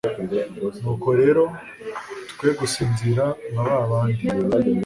"Nuko rero twe gusinzira nka ba bandi,